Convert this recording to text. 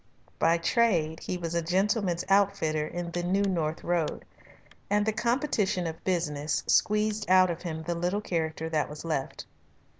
By trade he was a gentleman's outfitter in the New North Road, and the competition of business squeezed out of him the little character that was left.